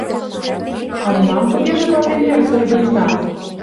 — А молан тугеже клатем йыр пӧрдында?